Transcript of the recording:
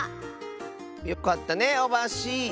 よかったねオバッシー！